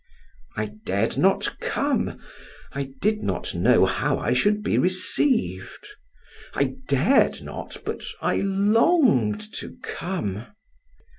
'" "I dared not come. I did not know how I should be received. I dared not, but I longed to come.